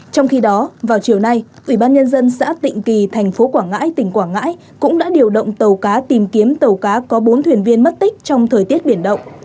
trong khi đó vào chiều nay ủy ban nhân dân xã tịnh kỳ thành phố quảng ngãi tỉnh quảng ngãi cũng đã điều động tàu cá tìm kiếm tàu cá có bốn thuyền viên mất tích trong thời tiết biển động